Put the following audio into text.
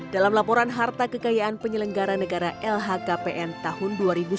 dalam laporan harta kekayaan penyelenggara negara lhkpn tahun dua ribu sembilan belas